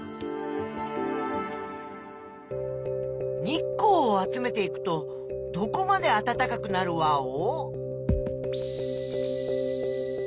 日光を集めていくとどこまであたたかくなるワオ？